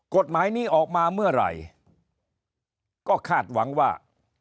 กฎหมายนี้ออกมาเมื่อไหร่ก็คาดหวังว่า